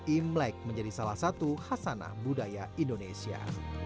imlek menjadi salah satu khasana budaya indonesia